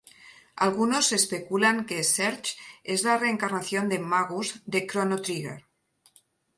Algunos especulan que Serge es la reencarnación de "Magus" de "Chrono Trigger".